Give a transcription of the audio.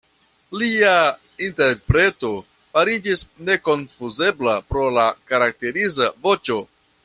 Lia interpreto fariĝis nekonfuzebla pro la karakteriza voĉo.